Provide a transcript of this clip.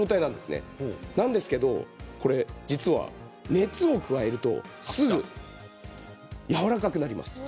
これ実は熱を加えるとすぐやわらかくなります。